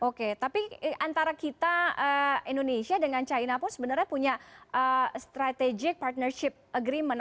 oke tapi antara kita indonesia dengan china pun sebenarnya punya strategic partnership agreement